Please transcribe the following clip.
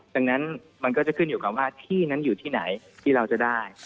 ดังนั้นมันก็จะขึ้นอยู่กับว่าที่นั้นอยู่ที่ไหนที่เราจะได้